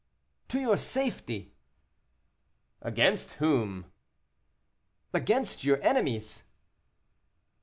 "To your safety." "Against whom?" "Against your enemies."